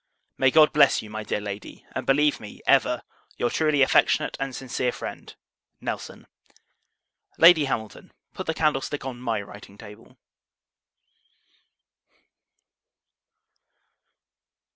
May God bless you, my dear Lady; and believe me, ever, your truly affectionate and sincere friend, NELSON. Lady Hamilton Put the candlestick on my writing table.